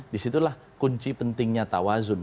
disitulah kunci pentingnya tawazun